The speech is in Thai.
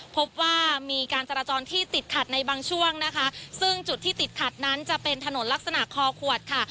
พบว่ามีการจราจรที่ติดขัดในบางช่วงนะคะซึ่งจุดที่ติดขัดนั้นจะเป็นถนนลักษณะคอขวดค่ะ